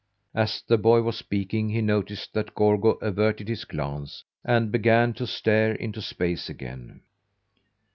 As the boy was speaking he noticed that Gorgo averted his glance, and began to stare into space again.